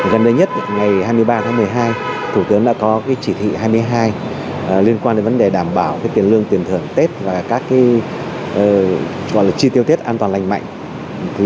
gần đây nhất ngày hai mươi ba tháng một mươi hai thủ tướng đã có chỉ thị hai mươi hai liên quan đến vấn đề đảm bảo tiền lương tiền thưởng tết và các gọi là chi tiêu tết an toàn lành mạnh